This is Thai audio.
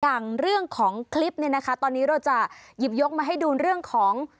อย่างเรื่องของคลิปเนี่ยนะคะตอนนี้เราจะหยิบยกมาให้ดูเรื่องของ